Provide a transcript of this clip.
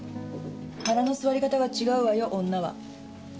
腹の据わり方が違うわよ女は。